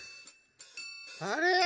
あれ？